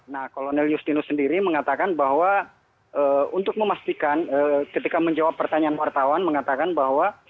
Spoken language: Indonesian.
nah kolonel justinus sendiri mengatakan bahwa untuk memastikan ketika menjawab pertanyaan wartawan mengatakan bahwa